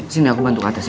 sini aku bantu ke atas ya